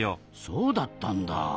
そうだったんだ。